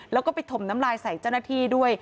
แล้วก็ไปถมน้ำลายใส่เจ้าหน้าที่ด้วย